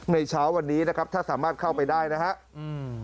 เช้าวันนี้นะครับถ้าสามารถเข้าไปได้นะครับ